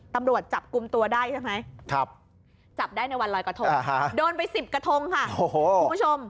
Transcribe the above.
ตำรวจจับกลุ่มตัวได้ใช่ไหมจับได้ในวันลอยกระทงโดนไป๑๐กระทงค่ะคุณผู้ชม